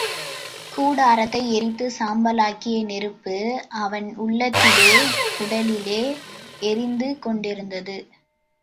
கூடாரத்தை எரித்துச் சாம்பலாக்கிய நெருப்பு அவன் உள்ளத்திலே, உடலிலே எரிந்து கொண்டிருந்தது.